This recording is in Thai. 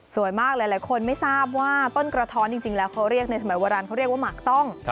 มากหลายคนไม่ทราบว่าต้นกระท้อนจริงแล้วเขาเรียกในสมัยโบราณเขาเรียกว่าหมากต้อง